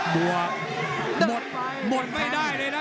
บวกหมดไม่ได้เลยนะ